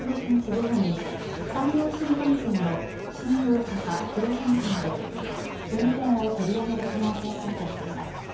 午後に山陽新幹線の新大阪、広島間で運転を取りやめる可能性があるとしています。